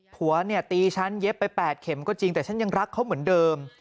ผัวเนี่ยตีฉันเย็บไป๘เข็มก็จริงแต่ฉันยังรักเขาเหมือนเดิม